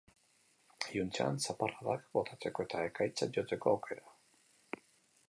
Iluntzean, zaparradak botatzeko eta ekaitzak jotzeko aukera.